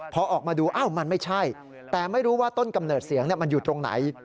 พอออกมาดูอ้าวมันไม่ใช่แต่ไม่รู้ว่าต้นกำเนิดเสียงมันอยู่ตรงไหน